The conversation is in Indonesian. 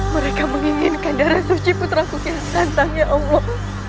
mereka menginginkan darah suci putraku kian santang ya allah